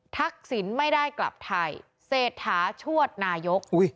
ทักษิณไม่ได้กลับไทยเศษฐาชวดนายกอุ้ย